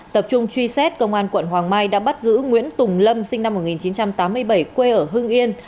tập trung truy xét công an quận hoàng mai đã bắt giữ nguyễn tùng lâm sinh năm một nghìn chín trăm tám mươi bảy quê ở hưng yên